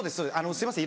すいません